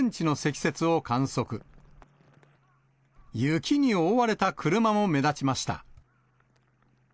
雪に覆われた車も目立ちました。